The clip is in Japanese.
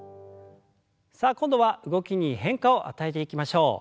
さあ今度は動きに変化を与えていきましょう。